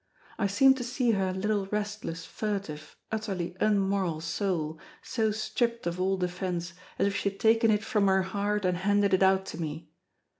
I seemed to see her little restless, furtive, utterly unmoral soul, so stripped of all defence, as if she had taken it from her heart and handed it out to me.